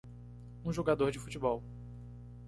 um jogador de futebol